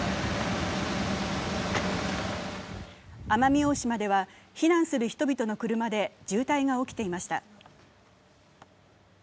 奄美大島では避難する人々の車で渋滞が起きていました。